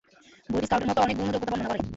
বইটি স্কাউটের মতো অনেক গুণ ও যোগ্যতা বর্ণনা করে।